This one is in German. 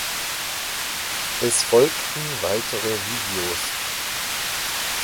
Es folgten weitere Videos.